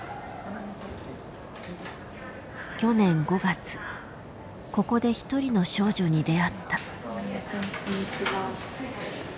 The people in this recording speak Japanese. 去年５月ここで一人の少女に出会った。